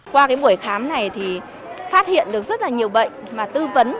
qua cái buổi khám này thì phát hiện được rất là nhiều bệnh mà tư vấn